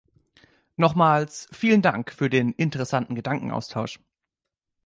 Nochmals vielen Dank für den interessanten Gedankenaustausch.